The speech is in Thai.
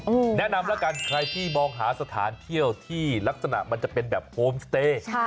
แนะนำแล้วกันใครที่มองหาสถานเที่ยวที่ลักษณะมันจะเป็นแบบโฮมสเตย์ใช่